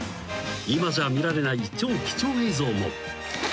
今じゃ見られない超貴重映像も。